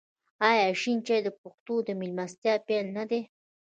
آیا شین چای د پښتنو د میلمستیا پیل نه دی؟